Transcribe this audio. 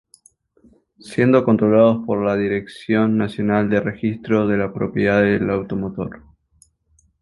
Siendo controlados por la Dirección Nacional de Registro de la Propiedad del Automotor.